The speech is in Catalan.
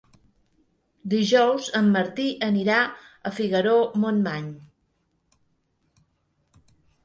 Dijous en Martí anirà a Figaró-Montmany.